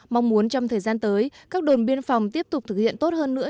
mong muốn trong thời gian tới các đồn biên phòng tiếp tục thực hiện tốt hơn nữa